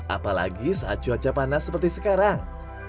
apalagi saat cuaca panas seperti sekarang